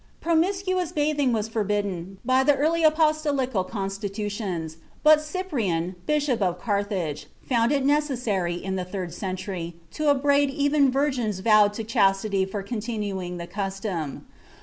Promiscuous bathing was forbidden by the early Apostolical Constitutions, but Cyprian, Bishop of Carthage, found it necessary, in the third century, to upbraid even virgins vowed to chastity for continuing the custom.